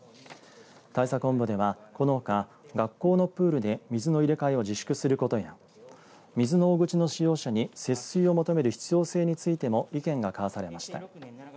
対策本部では、このほか学校のプールで水の入れ替えを自粛することや水の大口の使用者に節水を求める必要性についても意見が交わされました。